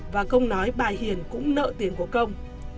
và công nói bà hiền cũng nợ tiền của công